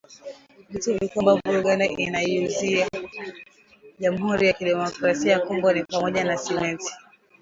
Vitu vikuu ambavyo Uganda inaiuzia Jamhuri ya kidemokrasia ya Kongo ni pamoja na Simenti.